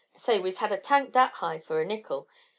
say, wese had a tank dat high fer a nickel.